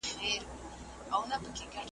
تاریخ د ملتونو حافظه ده.